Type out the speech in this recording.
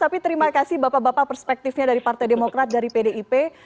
tapi terima kasih bapak bapak perspektifnya dari partai demokrat dari pdip